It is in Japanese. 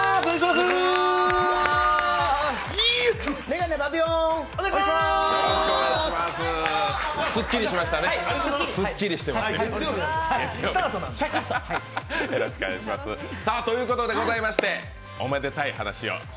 月曜日なんで。ということでございまして、おめでたい話を。